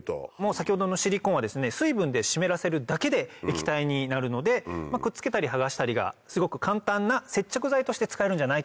先ほどのシリコーンは水分で湿らせるだけで液体になるのでくっつけたり剥がしたりがすごく簡単な接着剤として使えるんじゃないかと。